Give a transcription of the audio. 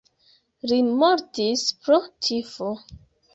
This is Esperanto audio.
Li mortis pro tifo.